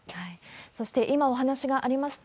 そして、今お話がありました